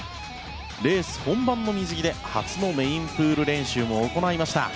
レース本番の水着で初のメインプール練習も行いました。